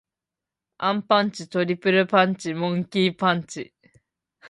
アンパンチ。トリプルパンチ。モンキー・パンチ。